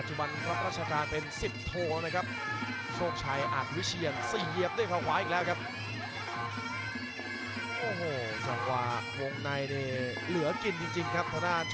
ขวางอีกแล้วครับ